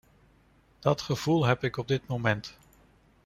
Dat gevoel heb ik op dit moment.